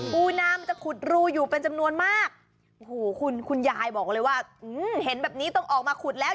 ปูนามันจะขุดรูอยู่เป็นจำนวนมากโอ้โหคุณคุณยายบอกเลยว่าเห็นแบบนี้ต้องออกมาขุดแล้ว